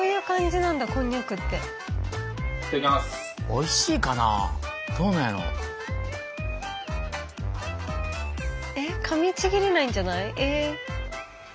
おいしいかなどうなんやろう。えっかみちぎれないんじゃない？え。